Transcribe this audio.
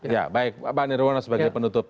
ya baik pak nirwono sebagai penutup